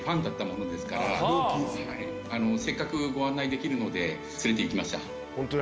せっかくご案内できるので連れて行きました。